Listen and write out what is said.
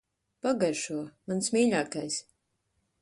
Pagaršo. Mans mīļākais.